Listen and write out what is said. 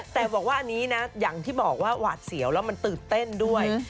แต่บอกว่าอันนี้นะอย่างที่บอกว่าหวาดเสียวแล้วมันตื่นเต้นด้วย